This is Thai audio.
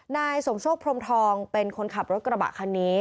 นายสมโชคพรมทองเป็นคนขับรถกระบะคันนี้